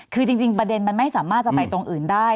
คือจริงประเด็นมันไม่สามารถจะไปตรงอื่นได้